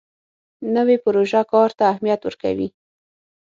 نوې پروژه کار ته اهمیت ورکوي